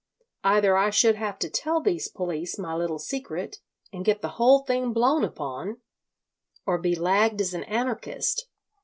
Either I should have to tell these police my little secret, and get the whole thing blown upon, or be lagged as an Anarchist.